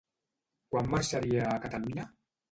Quan marxaria a Catalunya?